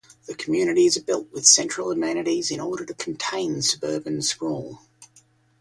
The communities are built with central amenities in order to contain suburban sprawl.